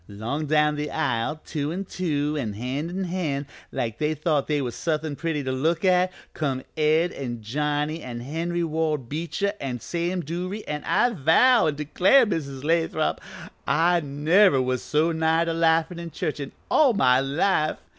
"'Long down the aisle, two an' two, an' hand in hand, like they thought they was suthin' pretty to look at, come Ed an' Johnny an' Henry Ward Beecher an' Sam Duruy, an' I vow an' declare, Mrs. Lathrop, I never was so nigh to laughin' in church in all my life.